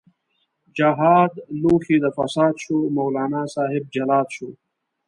جهاد لوښی د فساد شو، مولانا صاحب جلاد شو